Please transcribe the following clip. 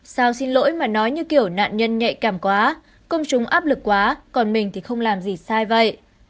sao xin lỗi mà nói như kiểu nạn nhân nhạy cảm quá công chúng áp lực quá còn mình thì không làm gì sai vậy